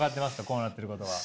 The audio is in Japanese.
こうなってることは。